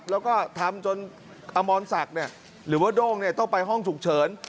แล้วก็ทำจนอมรศักดิ์หรือว่าโด้งต้องไปห้องฉุกเฉิน